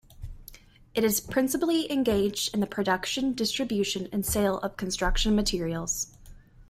It is principally engaged in the production, distribution and sale of construction materials.